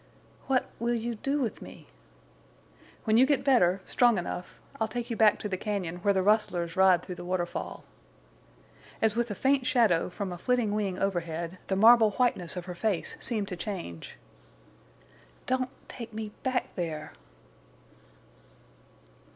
"What—will—you—do—with me?" "When you get better—strong enough—I'll take you back to the cañon where the rustlers ride through the waterfall." As with a faint shadow from a flitting wing overhead, the marble whiteness of her face seemed to change. "Don't—take—me—back—there!"